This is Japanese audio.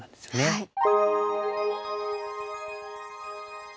はい。